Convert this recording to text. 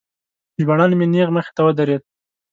ژباړن مې نیغ مخې ته ودرید.